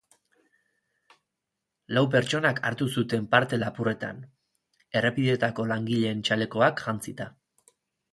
Lau pertsonak hartu zuten parte lapurretan, errepideetako langileen txalekoak jantzita.